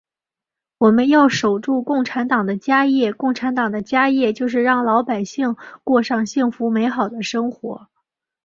我们要守住共产党的家业，共产党的家业就是让老百姓过上幸福美好的生活。